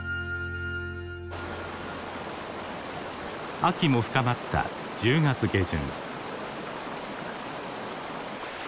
秋も深まった１０月下旬。